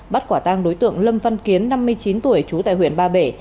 bắt quả tang đối tượng lâm văn kiến năm mươi chín tuổi trú tại huyện ba bể